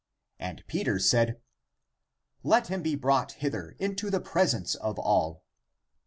And Peter said, " Let him be brought hither into the presence of all."